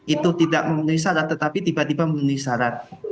itu tidak memenuhi syarat tetapi tiba tiba memenuhi syarat